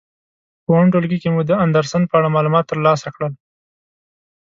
په اووم ټولګي کې مو د اندرسن په اړه معلومات تر لاسه کړل.